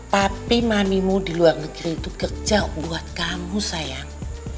tapi manimu di luar negeri itu kerja buat kamu sayang